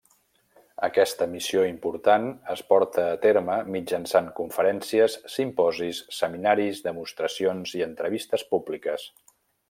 Aquesta missió important es porta a terme mitjançant conferències, simposis, seminaris, demostracions i entrevistes públiques.